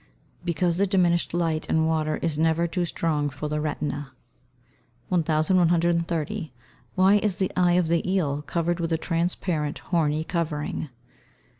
Because the diminished light in water is never too strong for the retina. 1130. _Why is the eye of the eel covered with a transparent horny covering?